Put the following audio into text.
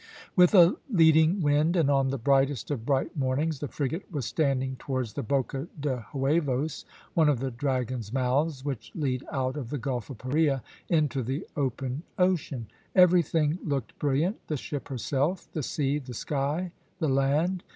With a leading wind and on the brightest of bright mornings, the frigate was standing towards the Boca de Huevos, one of the dragon's mouths, which lead out of the Gulf of Paria into the open ocean. Everything looked brilliant the ship herself, the sea, the sky, the land.